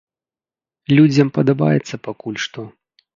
Людзям падабаецца пакуль што.